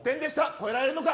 超えられるのか。